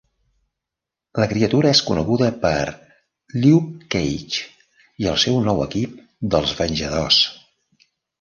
La criatura és coneguda per Luke Cage i el seu nou equip dels Venjadors.